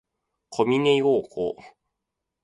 小峰洋子